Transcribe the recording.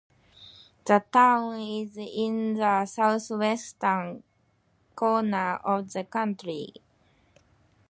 The town is in the southwestern corner of the county.